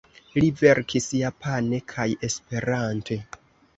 Li verkis japane kaj Esperante.